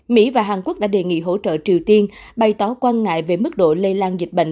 mỹ và hàn quốc đã đề nghị hỗ trợ triều tiên bày tỏ quan ngại về mức độ lây lan dịch bệnh